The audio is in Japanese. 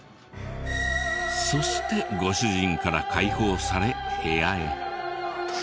そしてご主人から解放され部屋へ。